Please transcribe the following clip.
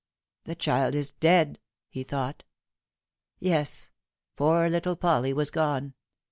" The child is dead !" he thought. Yes, poor little Polly was gone.